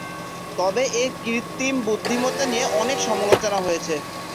তবে এর কৃত্রিম বুদ্ধিমত্তা নিয়ে অনেক সমালোচনা হয়েছে।